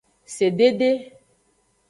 Sedede.